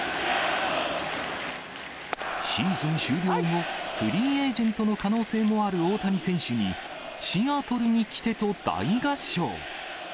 シーズン終了後、フリーエージェントの可能性もある大谷選手に、シアトルに来てと大合唱。